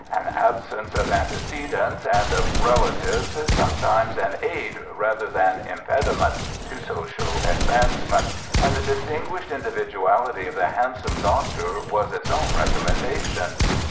An absence of antecedents and of relatives is sometimes an aid rather than an impediment to social advancement, and the distinguished individuality of the handsome doctor was its own recommendation.